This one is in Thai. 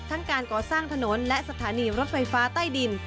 การก่อสร้างถนนและสถานีรถไฟฟ้าใต้ดิน